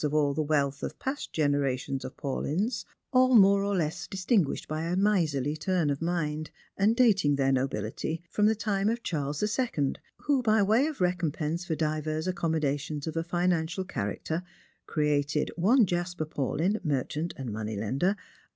87 of all the wealth of past generations of Paulyns — all more or less disting aished by a miserly turn of mind, and dating their nobility from the time of Charles the Second, who, by way of recompense for divers accommodations of a financial character, created one Jasper Panlyn, merchant and money lender.